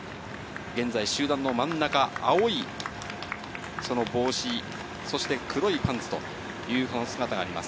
現在、集団の真ん中、青いその帽子、そして、黒いパンツという、この姿があります。